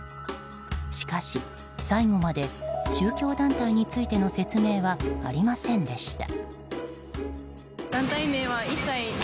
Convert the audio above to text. しかし、最後まで宗教団体についての説明はありませんでした。